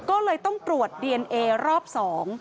ก็เลยต้องตรวจดีเอนเอรอบสอง